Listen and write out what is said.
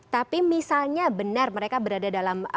tapi misalnya benar mereka berada dalam